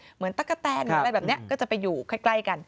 เหมือนตั๊กกะแต้นอะไรแบบนี้ก็จะไปอยู่ใกล้กัน